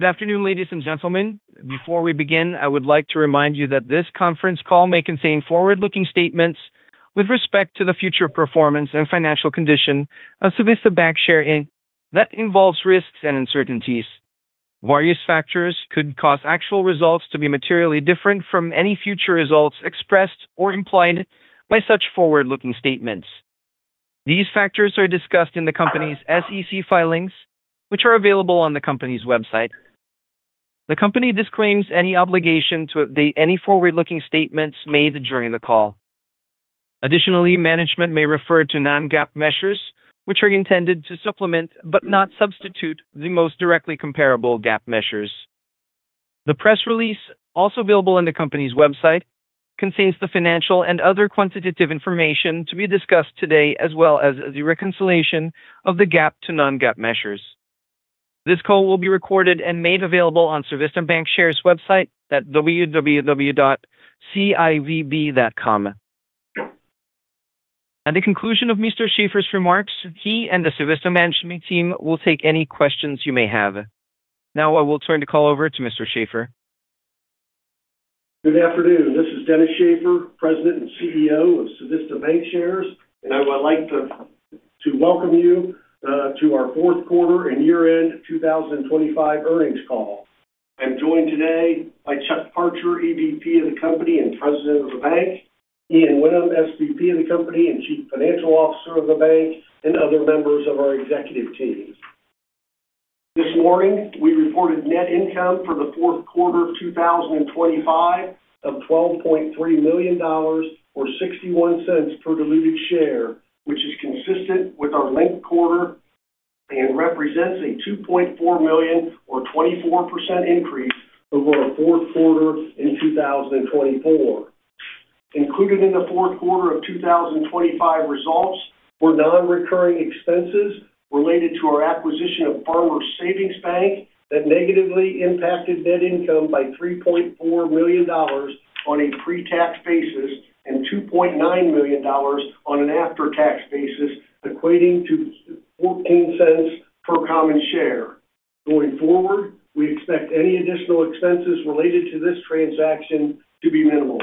Good afternoon, ladies and gentlemen. Before we begin, I would like to remind you that this conference call may contain forward-looking statements with respect to the future performance and financial condition of Civista Bancshares, Dennis Shaffer, that involves risks and uncertainties. Various factors could cause actual results to be materially different from any future results expressed or implied by such forward-looking statements. These factors are discussed in the company's SEC filings, which are available on the company's website. The company disclaims any obligation to update any forward-looking statements made during the call. Additionally, management may refer to non-GAAP measures, which are intended to supplement but not substitute the most directly comparable GAAP measures. The press release, also available on the company's website, contains the financial and other quantitative information to be discussed today, as well as the reconciliation of the GAAP to non-GAAP measures. This call will be recorded and made available on Civista Bancshares' website at www.civb.com. At the conclusion of Mr. Shaffer's remarks, he and the Civista management team will take any questions you may have. Now, I will turn the call over to Mr. Shaffer. Good afternoon. This is Dennis Shaffer, President and CEO of Civista Bancshares, and I would like to welcome you to our fourth quarter and year-end 2025 earnings call. I'm joined today by Chuck Parcher, EVP of the company and President of the bank, Ian Whinnem, SVP of the company and Chief Financial Officer of the bank, and other members of our executive team. This morning, we reported net income for the fourth quarter of 2025 of $12.3 million, or $0.61 per diluted share, which is consistent with our linked quarter and represents a $2.4 million, or 24%, increase over our fourth quarter in 2024. Included in the fourth quarter of 2025 results were non-recurring expenses related to our acquisition of Farmers Savings Bank that negatively impacted net income by $3.4 million on a pre-tax basis and $2.9 million on an after-tax basis, equating to $0.14 per common share. Going forward, we expect any additional expenses related to this transaction to be minimal.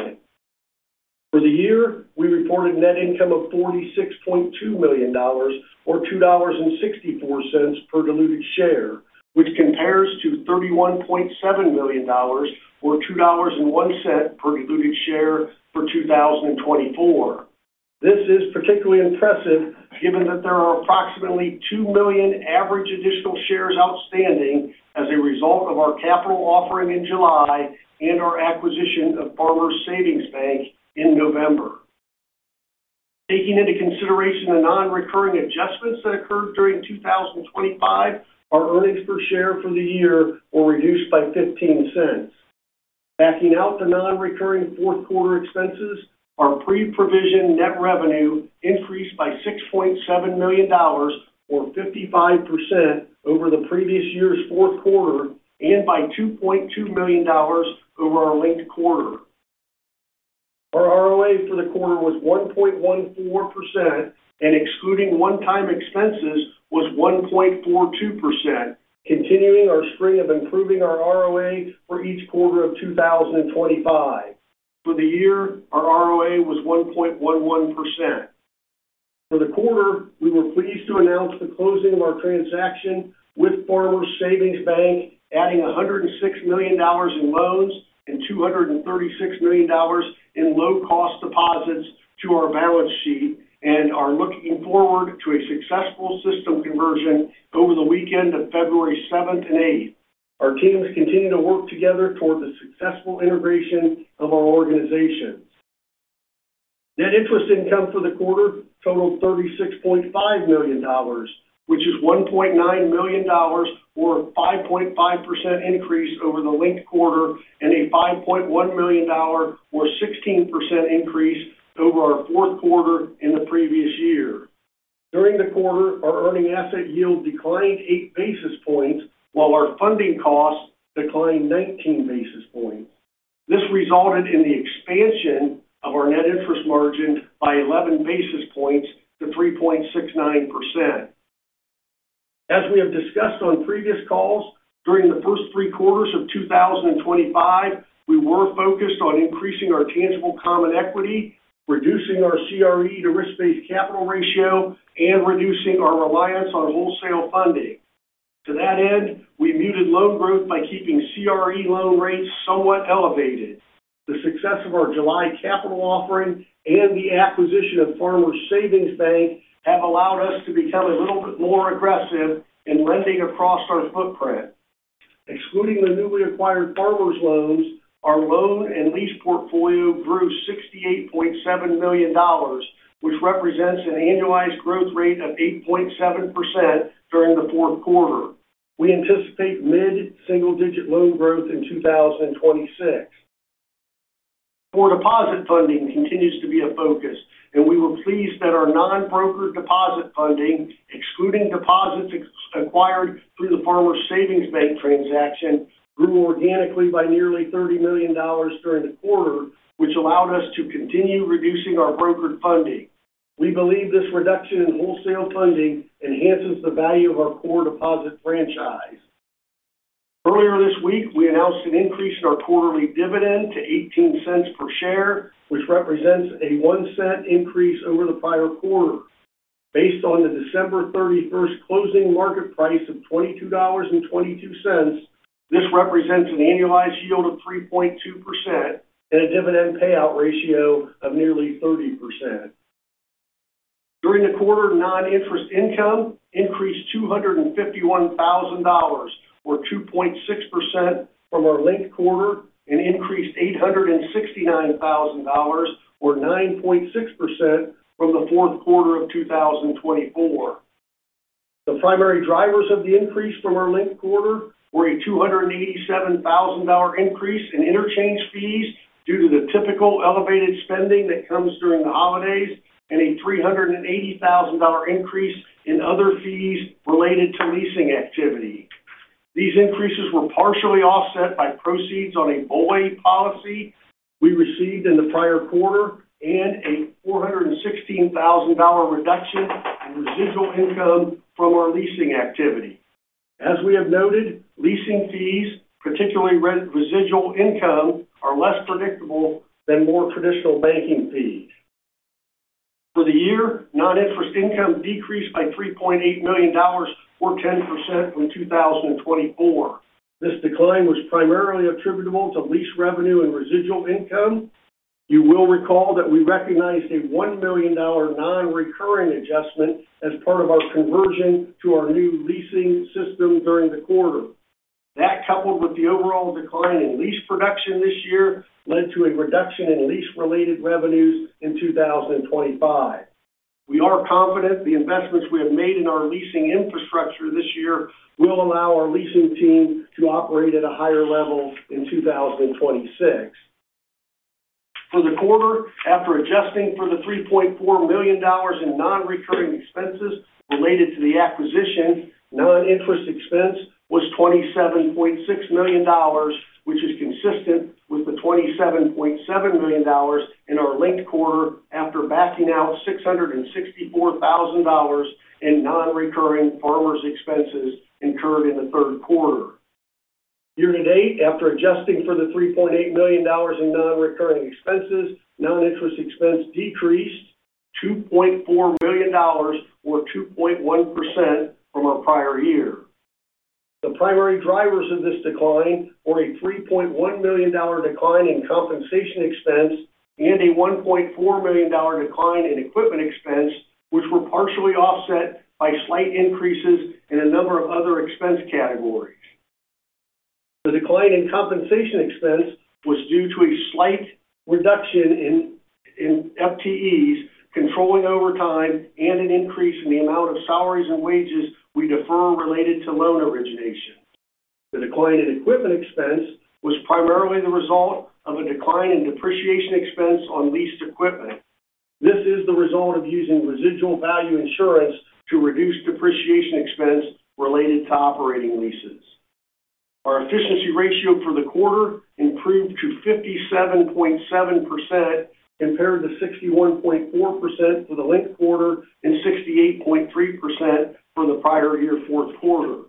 For the year, we reported net income of $46.2 million, or $2.64 per diluted share, which compares to $31.7 million, or $2.01 per diluted share for 2024. This is particularly impressive given that there are approximately two million average additional shares outstanding as a result of our capital offering in July and our acquisition of Farmers Savings Bank in November. Taking into consideration the non-recurring adjustments that occurred during 2025, our earnings per share for the year were reduced by $0.15. Backing out the non-recurring fourth quarter expenses, our pre-provision net revenue increased by $6.7 million, or 55%, over the previous year's fourth quarter and by $2.2 million over our linked quarter. Our ROA for the quarter was 1.14%, and excluding one-time expenses was 1.42%, continuing our string of improving our ROA for each quarter of 2025. For the year, our ROA was 1.11%. For the quarter, we were pleased to announce the closing of our transaction with Farmers Savings Bank, adding $106 million in loans and $236 million in low-cost deposits to our balance sheet and are looking forward to a successful system conversion over the weekend of February 7th and 8th. Our teams continue to work together toward the successful integration of our organization. Net interest income for the quarter totaled $36.5 million, which is $1.9 million, or a 5.5% increase over the linked quarter and a $5.1 million, or 16%, increase over our fourth quarter in the previous year. During the quarter, our earning asset yield declined eight basis points, while our funding costs declined 19 basis points. This resulted in the expansion of our net interest margin by 11 basis points to 3.69%. As we have discussed on previous calls, during the first three quarters of 2025, we were focused on increasing our tangible common equity, reducing our CRE to risk-based capital ratio, and reducing our reliance on wholesale funding. To that end, we muted loan growth by keeping CRE loan rates somewhat elevated. The success of our July capital offering and the acquisition of Farmers Savings Bank have allowed us to become a little bit more aggressive in lending across our footprint. Excluding the newly acquired Farmers' loans, our loan and lease portfolio grew $68.7 million, which represents an annualized growth rate of 8.7% during the fourth quarter. We anticipate mid-single-digit loan growth in 2026. Core deposit funding continues to be a focus, and we were pleased that our non-brokered deposit funding, excluding deposits acquired through the Farmers Savings Bank transaction, grew organically by nearly $30 million during the quarter, which allowed us to continue reducing our brokered funding. We believe this reduction in wholesale funding enhances the value of our core deposit franchise. Earlier this week, we announced an increase in our quarterly dividend to $0.18 per share, which represents a $0.01 increase over the prior quarter. Based on the December 31st closing market price of $22.22, this represents an annualized yield of 3.2% and a dividend payout ratio of nearly 30%. During the quarter, non-interest income increased $251,000, or 2.6%, from our linked quarter and increased $869,000, or 9.6%, from the fourth quarter of 2024. The primary drivers of the increase from our linked quarter were a $287,000 increase in interchange fees due to the typical elevated spending that comes during the holidays and a $380,000 increase in other fees related to leasing activity. These increases were partially offset by proceeds on a BOLI we received in the prior quarter and a $416,000 reduction in residual income from our leasing activity. As we have noted, leasing fees, particularly residual income, are less predictable than more traditional banking fees. For the year, non-interest income decreased by $3.8 million, or 10%, from 2024. This decline was primarily attributable to lease revenue and residual income. You will recall that we recognized a $1 million non-recurring adjustment as part of our conversion to our new leasing system during the quarter. That, coupled with the overall decline in lease production this year, led to a reduction in lease-related revenues in 2025. We are confident the investments we have made in our leasing infrastructure this year will allow our leasing team to operate at a higher level in 2026. For the quarter, after adjusting for the $3.4 million in non-recurring expenses related to the acquisition, non-interest expense was $27.6 million, which is consistent with the $27.7 million in our linked quarter after backing out $664,000 in non-recurring Farmers' expenses incurred in the third quarter. Year-to-date, after adjusting for the $3.8 million in non-recurring expenses, non-interest expense decreased $2.4 million, or 2.1%, from our prior year. The primary drivers of this decline were a $3.1 million decline in compensation expense and a $1.4 million decline in equipment expense, which were partially offset by slight increases in a number of other expense categories. The decline in compensation expense was due to a slight reduction in FTEs controlling over time and an increase in the amount of salaries and wages we defer related to loan origination. The decline in equipment expense was primarily the result of a decline in depreciation expense on leased equipment. This is the result of using residual value insurance to reduce depreciation expense related to operating leases. Our efficiency ratio for the quarter improved to 57.7%, compared to 61.4% for the linked quarter and 68.3% for the prior year fourth quarter.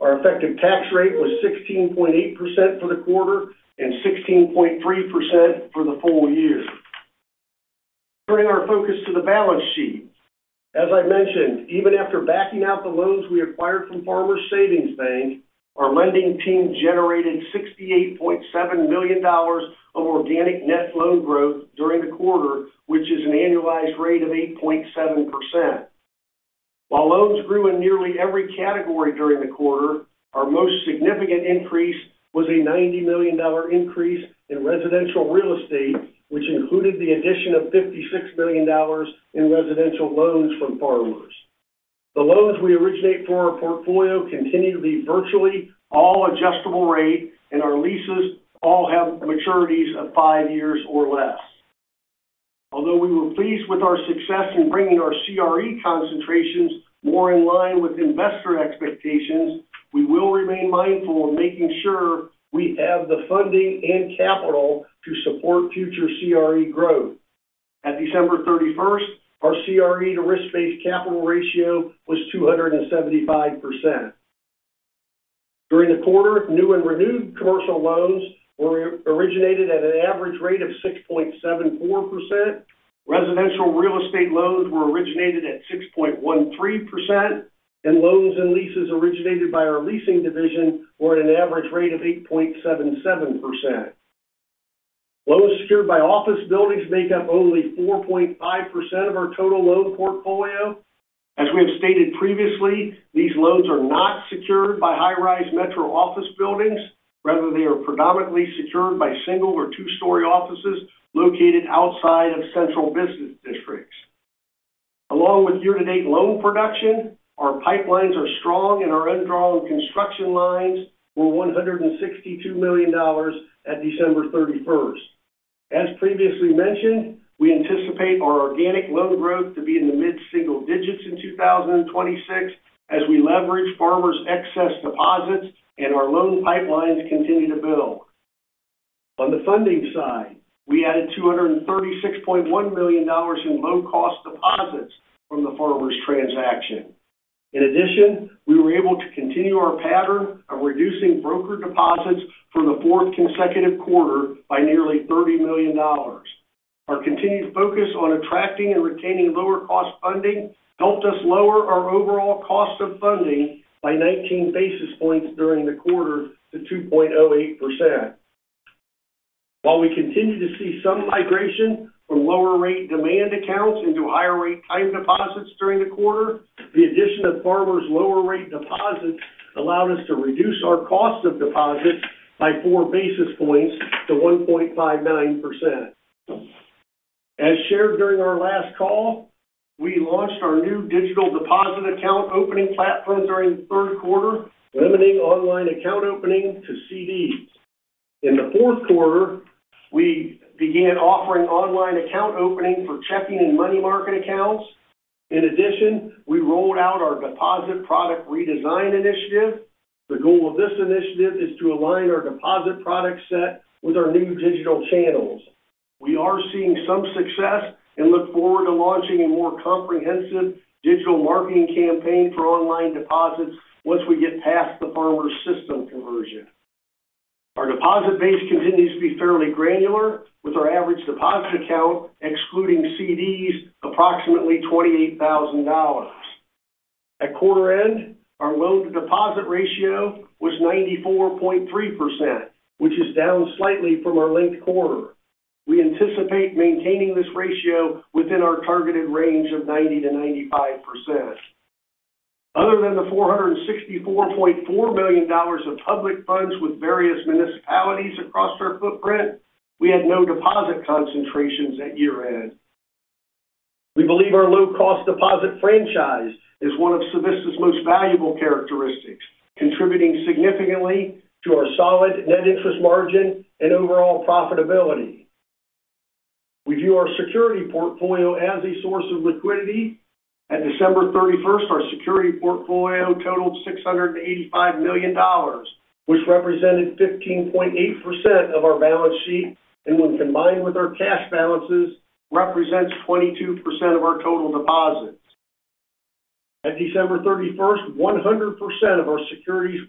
Our effective tax rate was 16.8% for the quarter and 16.3% for the full year. Turning our focus to the balance sheet. As I mentioned, even after backing out the loans we acquired from Farmers Savings Bank, our lending team generated $68.7 million of organic net loan growth during the quarter, which is an annualized rate of 8.7%. While loans grew in nearly every category during the quarter, our most significant increase was a $90 million increase in residential real estate, which included the addition of $56 million in residential loans from Farmers. The loans we originate for our portfolio continue to be virtually all adjustable rate, and our leases all have maturities of five years or less. Although we were pleased with our success in bringing our CRE concentrations more in line with investor expectations, we will remain mindful of making sure we have the funding and capital to support future CRE growth. At December 31st, our CRE to risk-based capital ratio was 275%. During the quarter, new and renewed commercial loans were originated at an average rate of 6.74%. Residential real estate loans were originated at 6.13%, and loans and leases originated by our leasing division were at an average rate of 8.77%. Loans secured by office buildings make up only 4.5% of our total loan portfolio. As we have stated previously, these loans are not secured by high-rise metro office buildings. Rather, they are predominantly secured by single or two-story offices located outside of central business districts. Along with year-to-date loan production, our pipelines are strong, and our undrawn construction lines were $162 million at December 31st. As previously mentioned, we anticipate our organic loan growth to be in the mid-single digits in 2026 as we leverage Farmers' excess deposits and our loan pipelines continue to build. On the funding side, we added $236.1 million in low-cost deposits from the Farmers' transaction. In addition, we were able to continue our pattern of reducing broker deposits for the fourth consecutive quarter by nearly $30 million. Our continued focus on attracting and retaining lower-cost funding helped us lower our overall cost of funding by 19 basis points during the quarter to 2.08%. While we continue to see some migration from lower-rate demand accounts into higher-rate time deposits during the quarter, the addition of Farmers' lower-rate deposits allowed us to reduce our cost of deposits by 4 basis points to 1.59%. As shared during our last call, we launched our new digital deposit account opening platform during the third quarter, limiting online account opening to CDs. In the fourth quarter, we began offering online account opening for checking and money market accounts. In addition, we rolled out our deposit product redesign initiative. The goal of this initiative is to align our deposit product set with our new digital channels. We are seeing some success and look forward to launching a more comprehensive digital marketing campaign for online deposits once we get past the Farmers' system conversion. Our deposit base continues to be fairly granular, with our average deposit account, excluding CDs, approximately $28,000. At quarter end, our loan-to-deposit ratio was 94.3%, which is down slightly from our linked quarter. We anticipate maintaining this ratio within our targeted range of 90%-95%. Other than the $464.4 million of public funds with various municipalities across our footprint, we had no deposit concentrations at year-end. We believe our low-cost deposit franchise is one of Civista's most valuable characteristics, contributing significantly to our solid net interest margin and overall profitability. We view our security portfolio as a source of liquidity. At December 31st, our security portfolio totaled $685 million, which represented 15.8% of our balance sheet and, when combined with our cash balances, represents 22% of our total deposits. At December 31st, 100% of our securities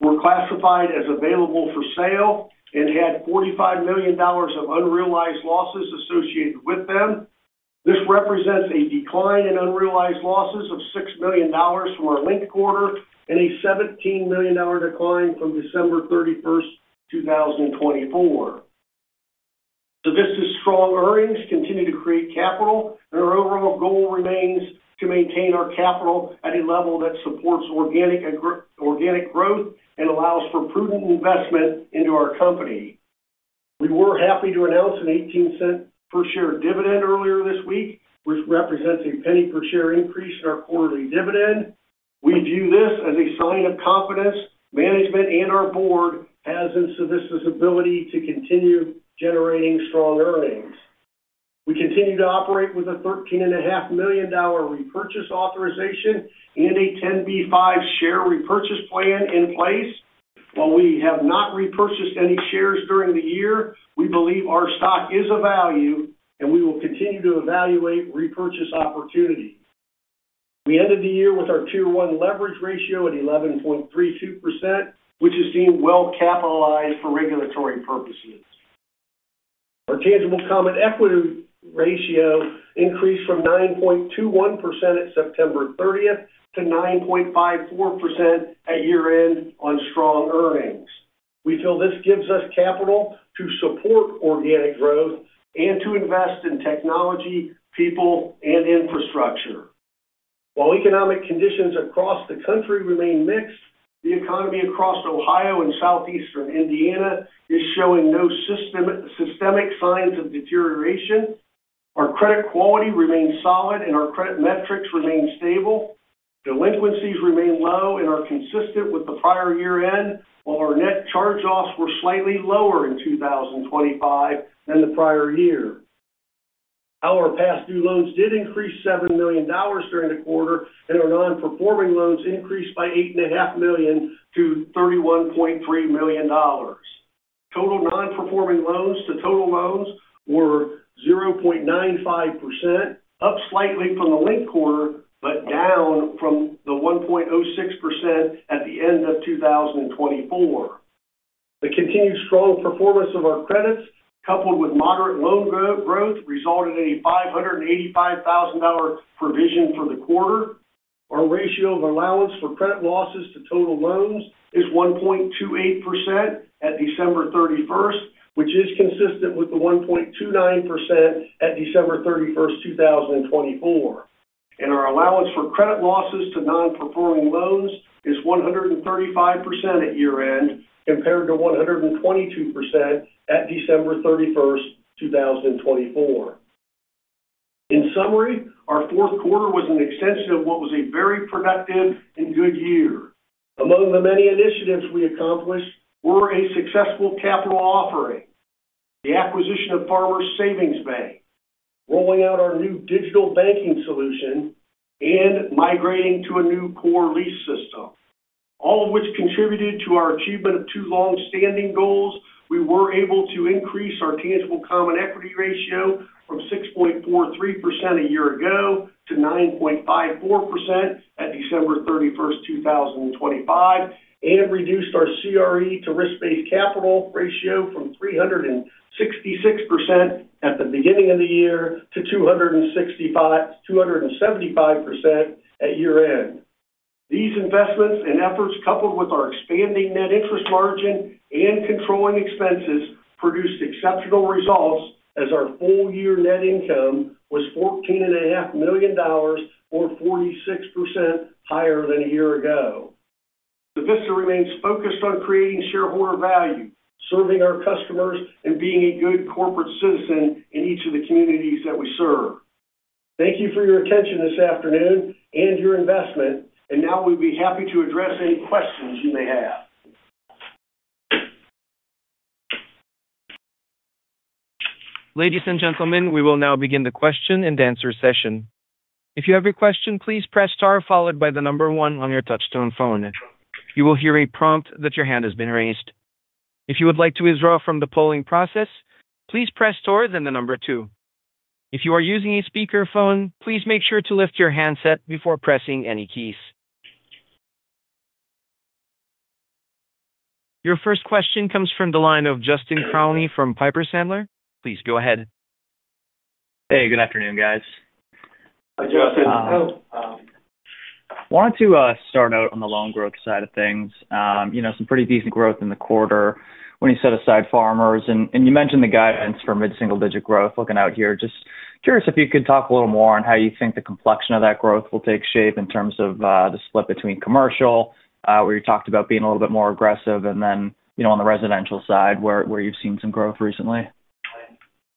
were classified as available for sale and had $45 million of unrealized losses associated with them. This represents a decline in unrealized losses of $6 million from our linked quarter and a $17 million decline from December 31st, 2024. Civista's strong earnings continue to create capital, and our overall goal remains to maintain our capital at a level that supports organic growth and allows for prudent investment into our company. We were happy to announce a $0.18 per share dividend earlier this week, which represents a $0.01 per share increase in our quarterly dividend. We view this as a sign of confidence management and our board has in Civista's ability to continue generating strong earnings. We continue to operate with a $13.5 million repurchase authorization and a 10b5-1 share repurchase plan in place. While we have not repurchased any shares during the year, we believe our stock is of value, and we will continue to evaluate repurchase opportunities. We ended the year with our Tier 1 leverage ratio at 11.32%, which is deemed well-capitalized for regulatory purposes. Our tangible common equity ratio increased from 9.21% at September 30th to 9.54% at year-end on strong earnings. We feel this gives us capital to support organic growth and to invest in technology, people, and infrastructure. While economic conditions across the country remain mixed, the economy across Ohio and Southeastern Indiana is showing no systemic signs of deterioration. Our credit quality remains solid, and our credit metrics remain stable. Delinquencies remain low and are consistent with the prior year-end, while our net charge-offs were slightly lower in 2025 than the prior year. Our past due loans did increase $7 million during the quarter, and our non-performing loans increased by $8.5 million to $31.3 million. Total non-performing loans to total loans were 0.95%, up slightly from the linked quarter but down from the 1.06% at the end of 2024. The continued strong performance of our credits, coupled with moderate loan growth, resulted in a $585,000 provision for the quarter. Our ratio of allowance for credit losses to total loans is 1.28% at December 31st, which is consistent with the 1.29% at December 31st, 2024. Our allowance for credit losses to non-performing loans is 135% at year-end, compared to 122% at December 31st, 2024. In summary, our fourth quarter was an extension of what was a very productive and good year. Among the many initiatives we accomplished were a successful capital offering, the acquisition of Farmers Savings Bank, rolling out our new digital banking solution, and migrating to a new core lease system. All of which contributed to our achievement of two long-standing goals. We were able to increase our tangible common equity ratio from 6.43% a year ago to 9.54% at December 31st, 2025, and reduced our CRE to risk-based capital ratio from 366% at the beginning of the year to 275% at year-end. These investments and efforts, coupled with our expanding net interest margin and controlling expenses, produced exceptional results as our full-year net income was $14.5 million, or 46% higher than a year ago. Civista remains focused on creating shareholder value, serving our customers, and being a good corporate citizen in each of the communities that we serve. Thank you for your attention this afternoon and your investment, and now we'd be happy to address any questions you may have. Ladies and gentlemen, we will now begin the question and answer session. If you have your question, please press star, followed by the number one on your touchtone phone. You will hear a prompt that your hand has been raised. If you would like to withdraw from the polling process, please press star, then the number two. If you are using a speakerphone, please make sure to lift your handset before pressing any keys. Your first question comes from the line of Justin Crowley from Piper Sandler. Please go ahead. Hey, good afternoon, guys. Hi, Justin. Wanted to start out on the loan growth side of things. Some pretty decent growth in the quarter when you set aside Farmers. And you mentioned the guidance for mid-single-digit growth looking out here. Just curious if you could talk a little more on how you think the complexion of that growth will take shape in terms of the split between commercial, where you talked about being a little bit more aggressive, and then on the residential side, where you've seen some growth recently.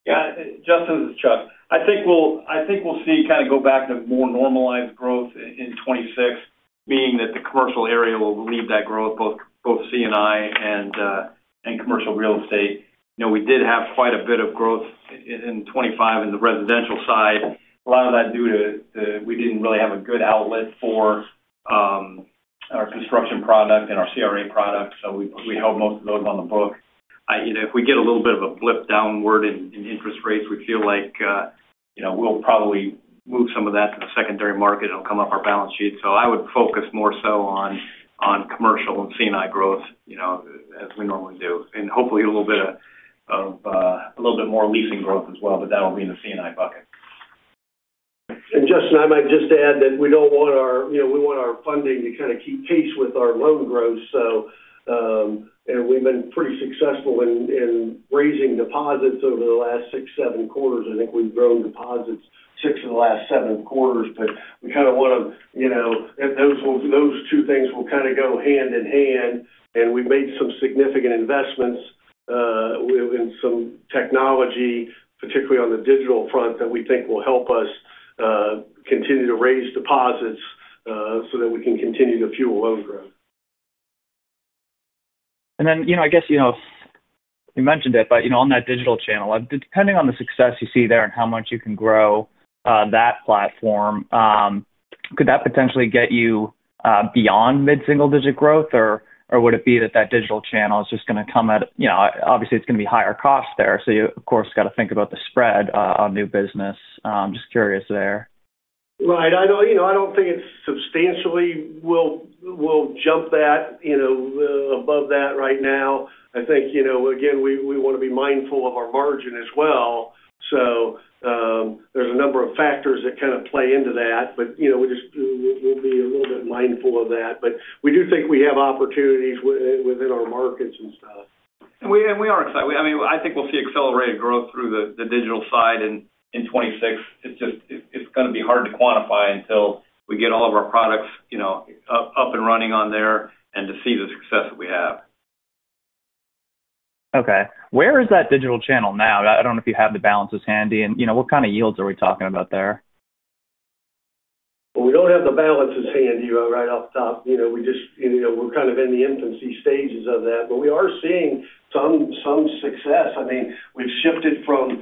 Yeah, this is Chuck. I think we'll see kind of go back to more normalized growth in 2026, meaning that the commercial area will lead that growth, both C&I and commercial real estate. We did have quite a bit of growth in 2025 in the residential side. A lot of that due to we didn't really have a good outlet for our construction product and our CRE product, so we held most of those on the book. If we get a little bit of a blip downward in interest rates, we feel like we'll probably move some of that to the secondary market and it'll come up our balance sheet. So I would focus more so on commercial and C&I growth as we normally do. And hopefully, a little bit of a little bit more leasing growth as well, but that'll be in the C&I bucket. And Justin, I might just add that we don't want our we want our funding to kind of keep pace with our loan growth. And we've been pretty successful in raising deposits over the last 6-7 quarters. I think we've grown deposits six of the last seven quarters, but we kind of want to those two things will kind of go hand in hand. And we've made some significant investments in some technology, particularly on the digital front, that we think will help us continue to raise deposits so that we can continue to fuel loan growth. And then I guess you mentioned it, but on that digital channel, depending on the success you see there and how much you can grow that platform, could that potentially get you beyond mid-single digit growth, or would it be that that digital channel is just going to come at obviously, it's going to be higher cost there. So you, of course, got to think about the spread on new business. I'm just curious there. Right. I don't think it substantially will jump above that right now. I think, again, we want to be mindful of our margin as well. So there's a number of factors that kind of play into that, but we'll be a little bit mindful of that. But we do think we have opportunities within our markets and stuff. And we are excited. I mean, I think we'll see accelerated growth through the digital side in 2026. It's going to be hard to quantify until we get all of our products up and running on there and to see the success that we have. Okay. Where is that digital channel now? I don't know if you have the balances handy. And what kind of yields are we talking about there? Well, we don't have the balances handy right off the top. We're kind of in the infancy stages of that, but we are seeing some success. I mean, we've shifted from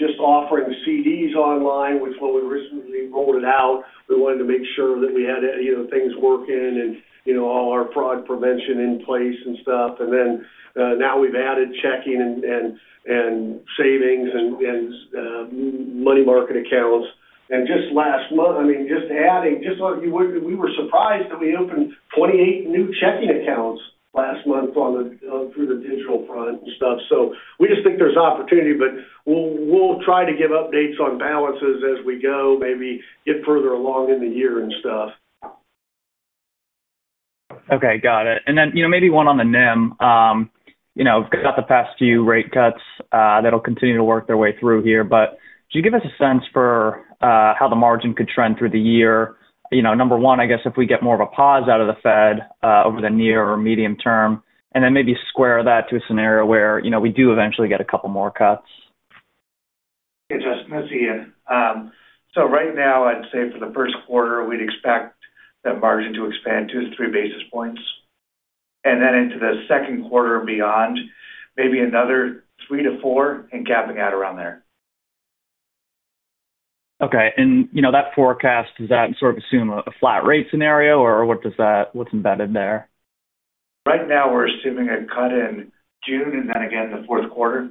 just offering CDs online, which when we originally rolled it out, we wanted to make sure that we had things working and all our fraud prevention in place and stuff. And then now we've added checking and savings and money market accounts. And just last month, I mean, just adding we were surprised that we opened 28 new checking accounts last month through the digital front and stuff. So we just think there's opportunity, but we'll try to give updates on balances as we go, maybe get further along in the year and stuff. Okay. Got it. And then maybe one on the NIM. We've got the past few rate cuts that'll continue to work their way through here, but could you give us a sense for how the margin could trend through the year? Number 1, I guess if we get more of a pause out of the Fed over the near or medium term, and then maybe square that to a scenario where we do eventually get a couple more cuts. Okay, Justin. Let's see here. So right now, I'd say for the first quarter, we'd expect that margin to expand 2-3 basis points. And then into the second quarter and beyond, maybe another 3-4 and gapping out around there. Okay. And that forecast, does that sort of assume a flat rate scenario, or what's embedded there? Right now, we're assuming a cut in June and then again the fourth quarter.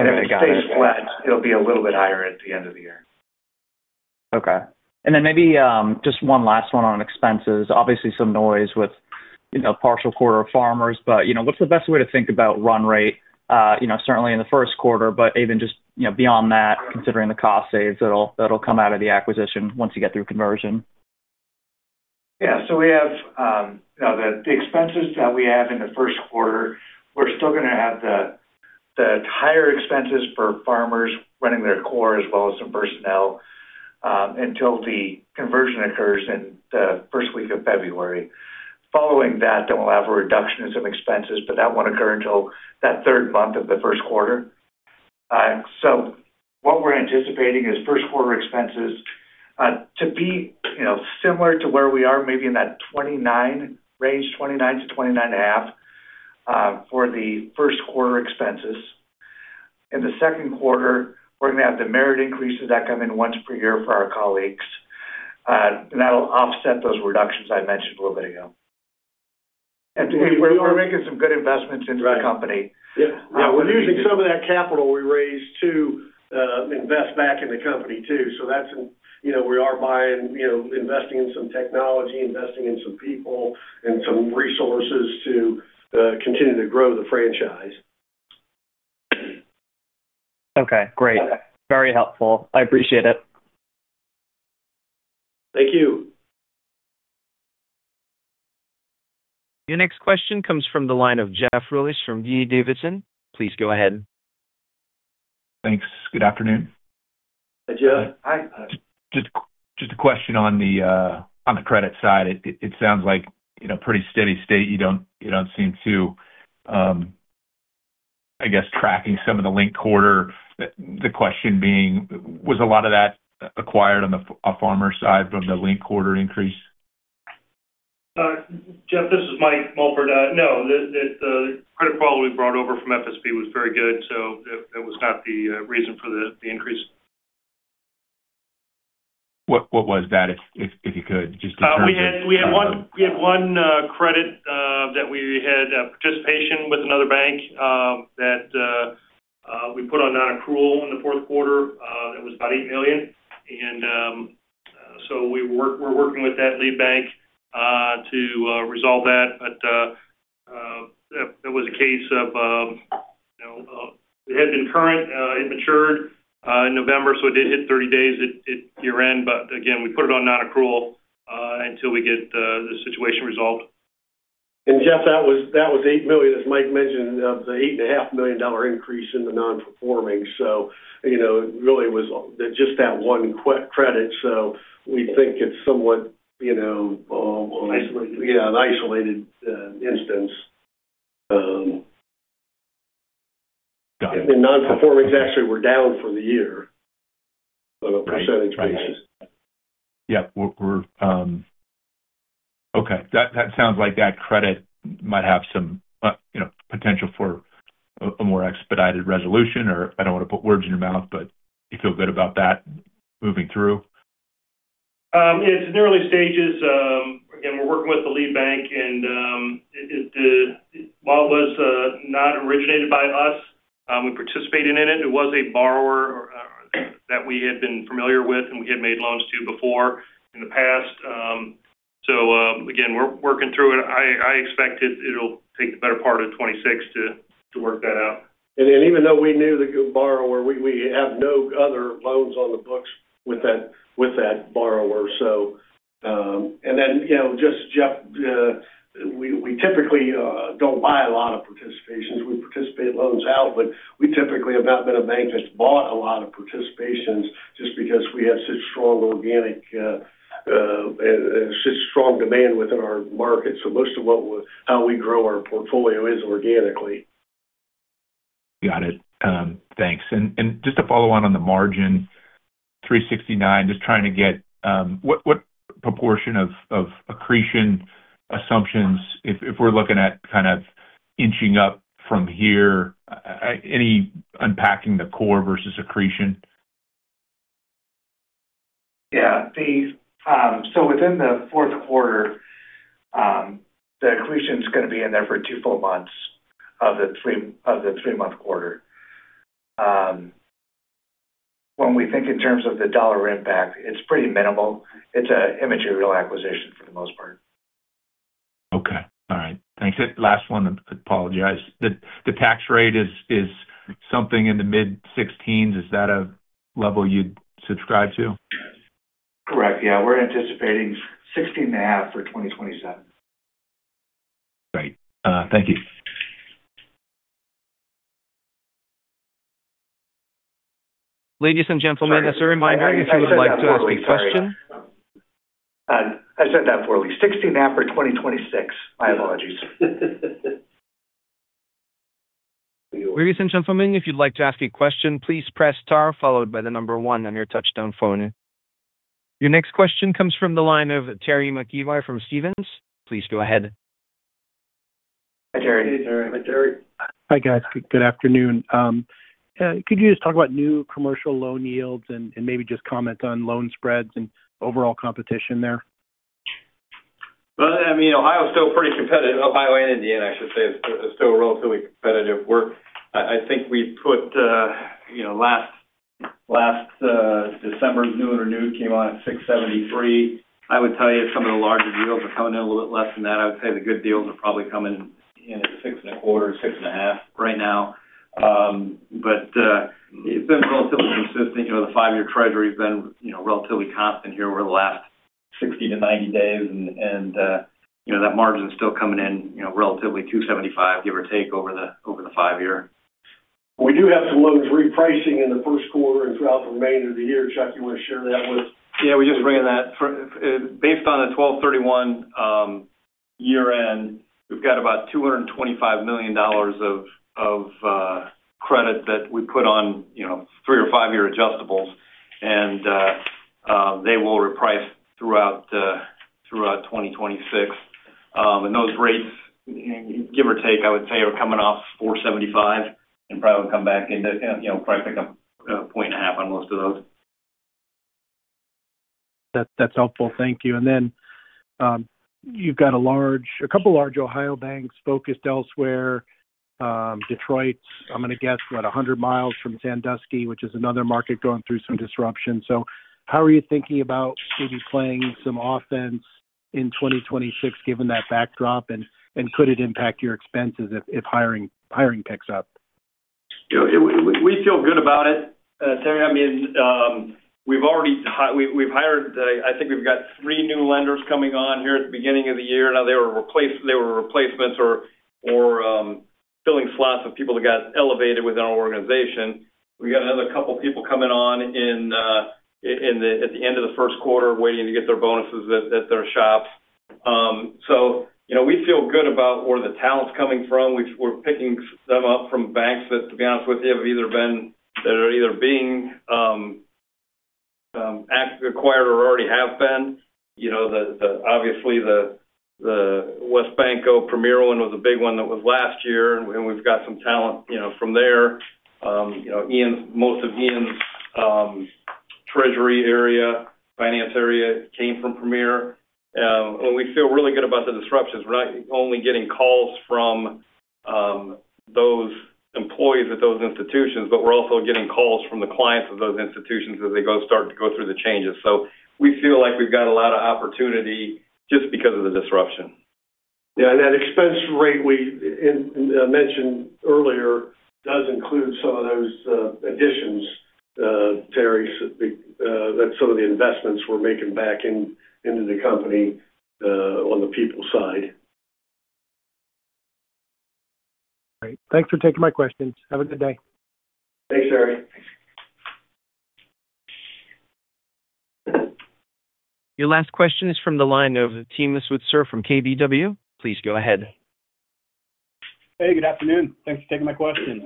And if it stays flat, it'll be a little bit higher at the end of the year. Okay. And then maybe just one last one on expenses. Obviously, some noise with partial quarter of farmers, but what's the best way to think about run rate? Certainly in the first quarter, but even just beyond that, considering the cost saves that'll come out of the acquisition once you get through conversion. Yeah. So we have the expenses that we have in the first quarter. We're still going to have the higher expenses for farmers running their core as well as some personnel until the conversion occurs in the first week of February. Following that, then we'll have a reduction in some expenses, but that won't occur until that third month of the first quarter. So what we're anticipating is first quarter expenses to be similar to where we are, maybe in that 29 range, 29-29.5 for the first quarter expenses. In the second quarter, we're going to have the merit increases that come in once per year for our colleagues, and that'll offset those reductions I mentioned a little bit ago. And we're making some good investments into the company. Yeah. We're using some of that capital we raised to invest back in the company too. So we are buying, investing in some technology, investing in some people, and some resources to continue to grow the franchise. Okay. Great. Very helpful. I appreciate it. Thank you. Your next question comes from the line of Jeff Rulis from D.A. Davidson. Please go ahead. Thanks. Good afternoon. Hi, Jeff. Hi. Just a question on the credit side. It sounds like pretty steady state. You don't seem to, I guess, tracking some of the linked quarter. The question being, was a lot of that acquired on the farmer side from the linked quarter increase? Jeff, this is Mike Mulford. No, the credit quality we brought over from FSB was very good, so that was not the reason for the increase. What was that, if you could just determine? We had one credit that we had participation with another bank that we put on non-accrual in the fourth quarter. That was about $8 million. And so we're working with that lead bank to resolve that. But that was a case of it had been current. It matured in November, so it did hit 30 days year-end. But again, we put it on non-accrual until we get the situation resolved. And Jeff, that was $8 million, as Mike mentioned, of the $8.5 million increase in the non-performing. So it really was just that one credit. So we think it's somewhat an isolated instance. And non-performing actually were down for the year on a percentage basis. Yeah. Okay. That sounds like that credit might have some potential for a more expedited resolution, or I don't want to put words in your mouth, but you feel good about that moving through? It's in the early stages. Again, we're working with the lead bank, and while it was not originated by us, we participated in it. It was a borrower that we had been familiar with and we had made loans to before in the past. So again, we're working through it. I expect it'll take the better part of 2026 to work that out. And even though we knew the borrower, we have no other loans on the books with that borrower. And then just Jeff, we typically don't buy a lot of participations. We participate loans out, but we typically have not been a bank that's bought a lot of participations just because we have such strong organic and such strong demand within our market. So most of how we grow our portfolio is organically. Got it. Thanks. And just to follow on on the margin, 369, just trying to get what proportion of accretion assumptions, if we're looking at kind of inching up from here, any unpacking the core versus accretion? Yeah. So within the fourth quarter, the accretion is going to be in there for two full months of the three-month quarter. When we think in terms of the dollar impact, it's pretty minimal. It's an immaterial acquisition for the most part. Okay. All right. Thanks. Last one. I apologize. The tax rate is something in the mid-16s. Is that a level you'd subscribe to? Correct. Yeah. We're anticipating 16.5 for 2027. Great. Thank you. Ladies and gentlemen, that's a reminder if you would like to ask a question. I said that poorly. 16.5 for 2026. My apologies. Ladies and gentlemen, if you'd like to ask a question, please press star followed by the number 1 on your touch-tone phone. Your next question comes from the line of Terry McEvoy from Stephens. Please go ahead. Hi, Terry. Hi, Terry. Hi, guys. Good afternoon. Could you just talk about new commercial loan yields and maybe just comment on loan spreads and overall competition there? Well, I mean, Ohio is still pretty competitive. Ohio and Indiana, I should say, are still relatively competitive. I think we put last December, new CRE, came on at 673. I would tell you some of the larger deals are coming in a little bit less than that. I would say the good deals are probably coming in at 6.25%-6.5% right now. But it's been relatively consistent. The five-year treasury has been relatively constant here over the last 60-90 days, and that margin is still coming in relatively 275, give or take, over the five-year. We do have some loans repricing in the first quarter and throughout the remainder of the year. Chuck, you want to share that with? Yeah. We just ran that. Based on the 12/31 year-end, we've got about $225 million of credit that we put on 3- or 5-year adjustables, and they will reprice throughout 2026. And those rates, give or take, I would say, are coming off 475 and probably will come back into probably pick up 1.5 points on most of those. That's helpful. Thank you. And then you've got a couple large Ohio banks focused elsewhere. Detroit's, I'm going to guess, what, 100 miles from Sandusky, which is another market going through some disruption. So how are you thinking about maybe playing some offense in 2026 given that backdrop, and could it impact your expenses if hiring picks up? We feel good about it, Terry. I mean, we've hired, I think we've got 3 new lenders coming on here at the beginning of the year. Now, they were replacements or filling slots of people that got elevated within our organization. We got another couple of people coming on at the end of the first quarter waiting to get their bonuses at their shop. So we feel good about where the talent's coming from. We're picking them up from banks that, to be honest with you, have either been that are either being acquired or already have been. Obviously, the WesBanco Premier one was a big one that was last year, and we've got some talent from there. Most of Ian's treasury area, finance area came from Premier. And we feel really good about the disruptions. We're not only getting calls from those employees at those institutions, but we're also getting calls from the clients of those institutions as they start to go through the changes. So we feel like we've got a lot of opportunity just because of the disruption. Yeah. And that expense rate we mentioned earlier does include some of those additions, Terry, that some of the investments we're making back into the company on the people side. All right. Thanks for taking my questions. Have a good day. Thanks, Terry. Your last question is from the line of Tim Switzer from KBW. Please go ahead. Hey, good afternoon. Thanks for taking my question.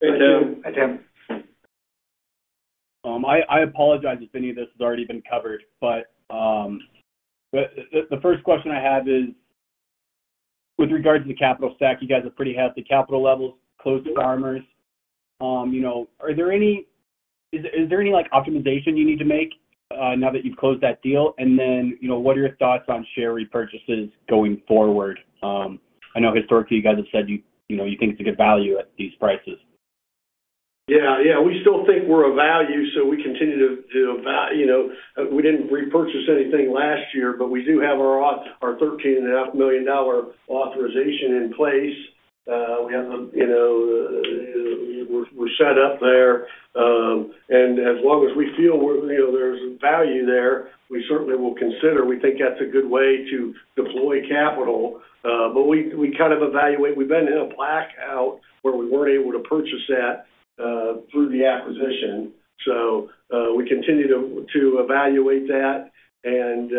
Hey, Tim. Hi, Tim. I apologize if any of this has already been covered, but the first question I have is with regards to the capital stack, you guys have pretty hefty capital levels, closed Farmers. Is there any optimization you need to make now that you've closed that deal? And then what are your thoughts on share repurchases going forward? I know historically you guys have said you think it's a good value at these prices. Yeah. Yeah. We still think we're a value, so we didn't repurchase anything last year, but we do have our $13.5 million authorization in place. We have them, we're set up there. And as long as we feel there's value there, we certainly will consider. We think that's a good way to deploy capital. But we kind of evaluate. We've been in a blackout where we weren't able to purchase that through the acquisition. So we continue to evaluate that. And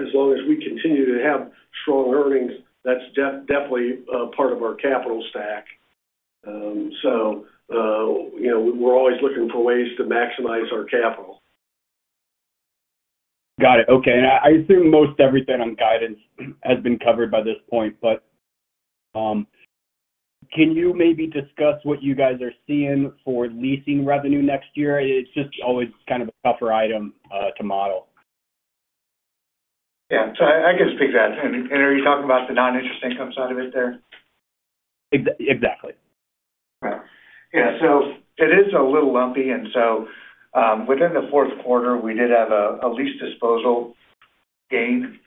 as long as we continue to have strong earnings, that's definitely part of our capital stack. So we're always looking for ways to maximize our capital. Got it. Okay. And I assume most everything on guidance has been covered by this point, but can you maybe discuss what you guys are seeing for leasing revenue next year? It's just always kind of a tougher item to model. Yeah. So I can speak to that. And are you talking about the non-interest income side of it there? Exactly. Yeah. So it is a little lumpy. And so within the fourth quarter, we did have a lease disposal gain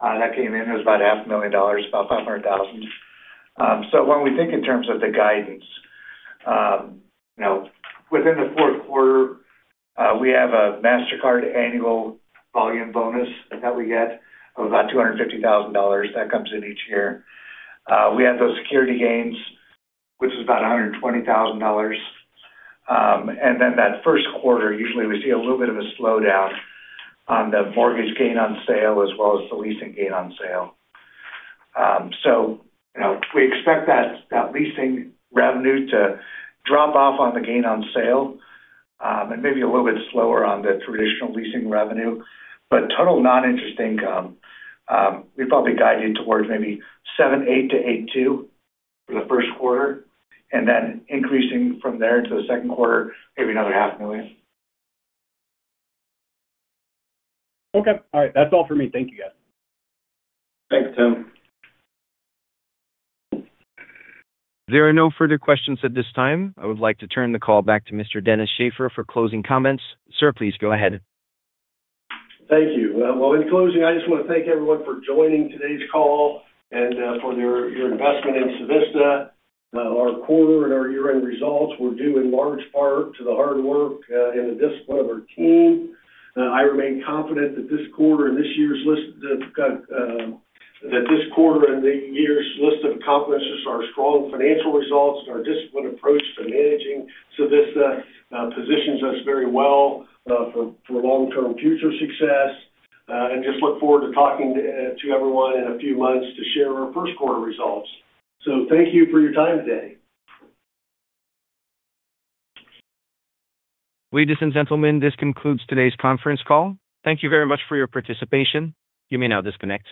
that came in. It was about $500,000, about $500,000. So when we think in terms of the guidance, within the fourth quarter, we have a Mastercard annual volume bonus that we get of about $250,000 that comes in each year. We have those security gains, which is about $120,000. And then that first quarter, usually we see a little bit of a slowdown on the mortgage gain on sale as well as the leasing gain on sale. So we expect that leasing revenue to drop off on the gain on sale and maybe a little bit slower on the traditional leasing revenue. But total non-interest income, we probably guide it towards maybe $7.8 million-$8.2 million for the first quarter, and then increasing from there to the second quarter, maybe another $500,000. Okay. All right. That's all for me. Thank you, guys. Thanks, Tim. There are no further questions at this time. I would like to turn the call back to Mr. Dennis Shaffer for closing comments. Sir, please go ahead. Thank you. Well, in closing, I just want to thank everyone for joining today's call and for your investment in Civista. Our quarter and our year-end results were due in large part to the hard work and the discipline of our team. I remain confident that this quarter and this year's list that this quarter and the year's list of accomplishments are strong financial results and our disciplined approach to managing Civista positions us very well for long-term future success. I just look forward to talking to everyone in a few months to share our first quarter results. Thank you for your time today. Ladies and gentlemen, this concludes today's conference call. Thank you very much for your participation. You may now disconnect.